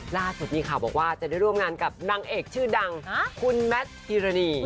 ล่าสุดมีข่าวบอกว่าจะได้ร่วมงานกับนางเอกชื่อดังคุณแมทพิรณี